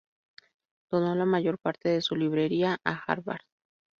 Donó la mayor parte de su librería a Harvard.